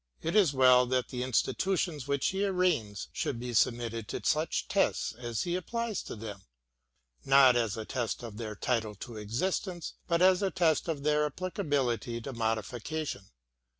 It is well that the institu tions which he arraigns should be submitted to such tests as he applies to them, not as a test of their title to existence, but as a test of their applicability to modification.